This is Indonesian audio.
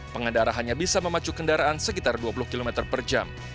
pengendara hanya bisa memacu kendaraan sekitar dua puluh km per jam